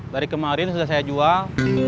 dari kemarin sudah saya jual